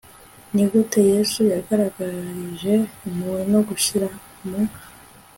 ni gute yesu yagaragarije impuhwe no gushyira mu